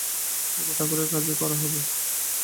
ওতে ঠাকুরের কাজই করা হবে।